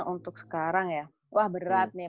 untuk sekarang ya wah berat nih